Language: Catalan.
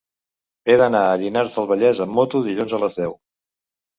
He d'anar a Llinars del Vallès amb moto dilluns a les deu.